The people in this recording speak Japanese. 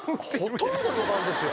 ほとんど４番ですよ。